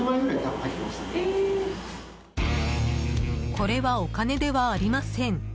これはお金ではありません！